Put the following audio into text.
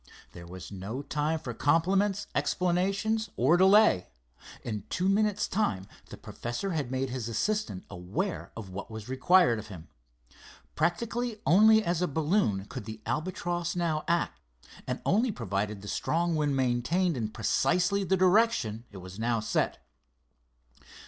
There was no time for compliments, explanations or delay. In two minutes' time the professor had made his assistant aware of what was required of him. Practically only as a balloon could the Albatross now act, and only provided the strong wind maintained in precisely the direction it was now set.